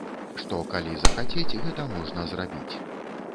Што калі захацець, гэта можна зрабіць.